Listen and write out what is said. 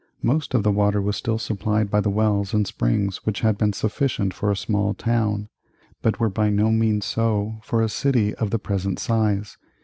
Most of the water was still supplied by the wells and springs which had been sufficient for a small town, but were by no means so for a city of the present size.